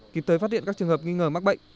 kịp tới phát hiện các trường hợp nghi ngờ mắc bệnh